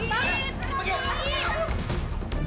udah udah udah tolong ini udah